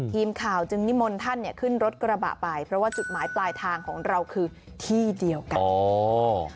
ทีมข่าวจึงนิมนต์ท่านเนี่ยขึ้นรถกระบะไปเพราะว่าจุดหมายปลายทางของเราคือที่เดียวกันอ๋อ